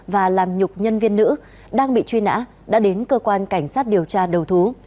và làm nhục nhân viên nữ đang bị truy nã đã đến cơ quan cảnh sát điều tra đầu thú